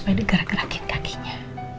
ayah biasa gerakin kakinya